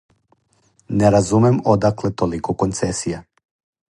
Не разумем одакле толико концесија.